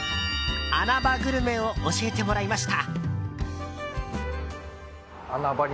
穴場グルメを教えてもらいました。